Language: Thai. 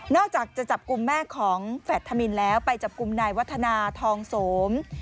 อกจากจะจับกลุ่มแม่ของแฟธมินแล้วไปจับกลุ่มนายวัฒนาทองโสม